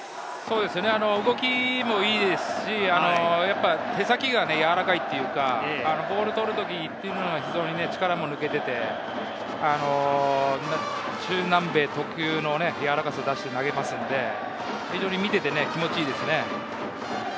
動きもいいですし、手先がやわらかいというか、ボールを捕る時は力も抜けていて、中南米特有のやわらかさを出して投げますので、非常に見ていて気持ちがいいですね。